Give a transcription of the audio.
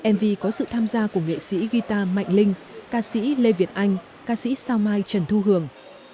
mv có sự tham gia của nghệ sĩ guitar mạnh linh ca sĩ lê việt anh ca sĩ sao mai trần thu hường